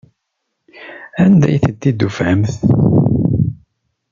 Anda ay tent-id-tufamt?